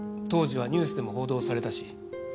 当時はニュースでも報道されたし。